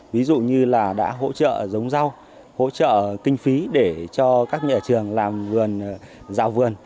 ví dụ như là đã hỗ trợ giống rau hỗ trợ kinh phí để cho các nhà trường làm vườn giao vườn